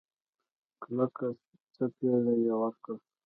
کلکه سپېړه يې ورکړه.